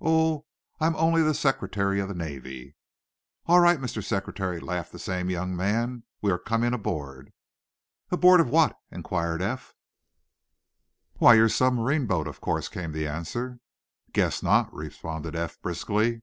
"Oh, I'm only the Secretary of the Navy." "All right, Mr. Secretary," laughed the same young man. "We are coming aboard." "Aboard of what?" inquired Eph. "Why, you're submarine boat, of course," came the answer. "Guess not!" responded Eph, briskly.